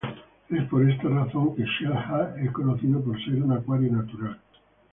Es por esta razón que Xel-Há es conocido por ser un acuario natural.